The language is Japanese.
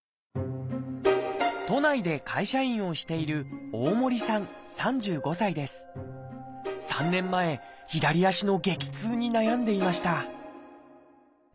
都内で会社員をしている３年前左足の激痛に悩んでいました